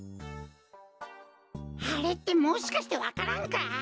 あれってもしかしてわか蘭か！？